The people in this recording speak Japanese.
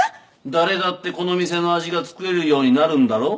誰だってこの店の味が作れるようになるんだろ？